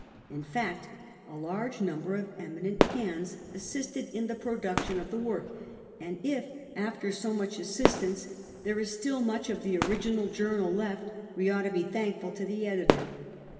In fact, a large number of eminent hands assisted in the production of the work, and if, after so much assistance, there is still much of the original journal left, we ought to be thankful to the editor.